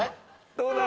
どうだ？